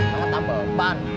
nggak ngetampe ban